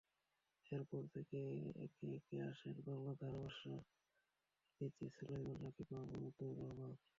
এরপর একে একে আসেন বাংলা ধারাভাষ্য দিতে সোলায়মান রাকিব, মাহমুদুর রহমান।